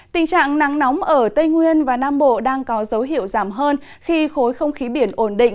tình trạng nắng nóng ở tây nguyên và nam bộ đang có dấu hiệu giảm hơn khi khối không khí biển ổn định